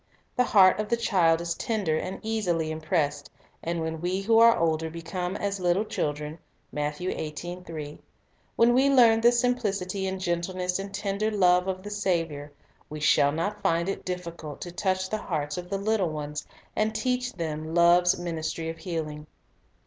The heart of the child is tender and easily impressed; and when we who are older become "as little children;" 2 when we learn the simplicity and gentleness and tender love of the Saviour, we shall not find it difficult to touch the hearts of the little ones, and teach them love's ministry of healing.